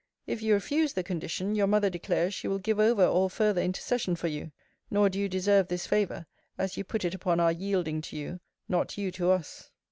If you refuse the condition, your mother declares she will give over all further intercession for you. Nor do you deserve this favour, as you put it upon our yielding to you, not you to us.